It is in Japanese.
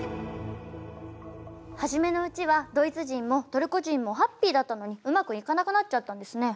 はじめのうちはドイツ人もトルコ人もハッピーだったのにうまくいかなくなっちゃったんですね。